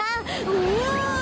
うわ。